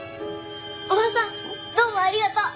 おばさんどうもありがとう。